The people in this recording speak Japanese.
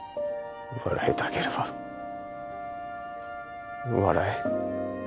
笑いたければ笑え。